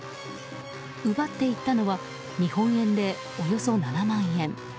奪っていったのは日本円でおよそ７万円。